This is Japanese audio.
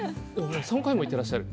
３回も行ってらっしゃる？